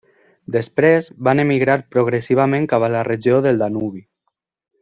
Després van emigrar progressivament cap a la regió del Danubi.